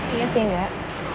iya sih mbak